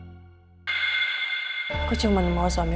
aku akan menyingkirkan orang orang yang menghalangiku